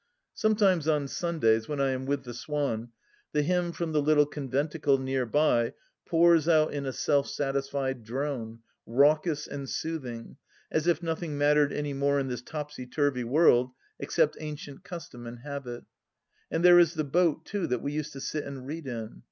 ... Sometimes on Sundays, when I am with the swan, the hymn from the little conventicle near by pours out in a self satisfied drone, raucous and soothing, as if nothing mattered any more in this topsy turvy world except ancient custom and habit. ... And there is the boat too, that we used to sit and read in.